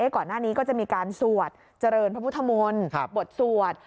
ก่อนหน้านี้ก็จะมีการสวดเจริญพระพุทธมนต์บทสวด